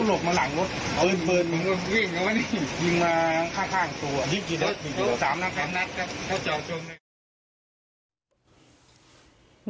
สามนัดข้าวจะชม